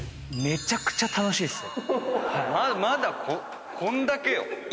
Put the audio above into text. めちゃめちゃ楽しいっす。